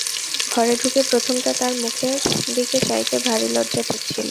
ঘরে ঢুকে প্রথমটা তাঁর মুখের দিকে চাইতে ভারি লজ্জা ঠেকছিল।